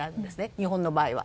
日本の場合は。